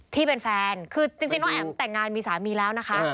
ที่เป็นแฟนคือจริงน้องแอ๋มแต่งงานมีสามีแล้วนะคะ